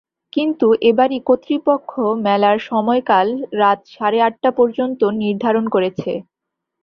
কিন্তু এবারই কর্তৃপক্ষ মেলার সময়কাল রাত সাড়ে আটটা পর্যন্ত নির্ধারণ করেছে।